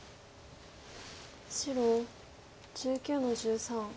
白１９の十三。